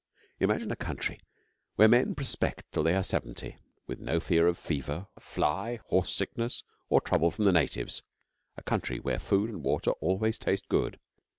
Imagine a country where men prospect till they are seventy, with no fear of fever, fly, horse sickness, or trouble from the natives a country where food and water always taste good!